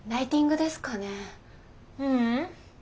ううん。